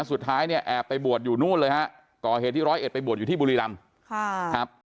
สุดท้ายเนี่ยแอบไปบวชอยู่นู้นเลยฮะกรเหตุที่๑๐๑ไปบวชอยู่ที่บุรีรำ